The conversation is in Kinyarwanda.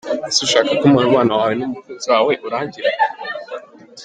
Ese ushaka ko umubano wawe n’umukunzi wawe urangira ?.